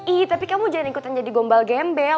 i tapi kamu jangan ikutan jadi gombal gembel